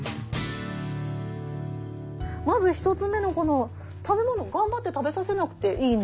まず１つ目のこの食べ物頑張って食べさせなくていい？